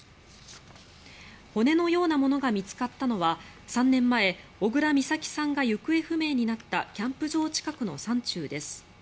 骨のようなものが見つかったのは３年前小倉美咲さんが行方不明になったキャンプ場近くの山中です。